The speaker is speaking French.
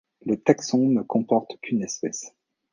Le taxon ne comporte qu'une espèce.